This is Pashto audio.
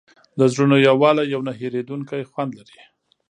د زړونو یووالی یو نه هېرېدونکی خوند لري.